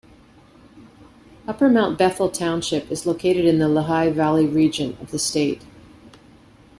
Upper Mount Bethel Township is located in the Lehigh Valley region of the state.